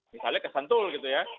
misalnya ke sentul gitu ya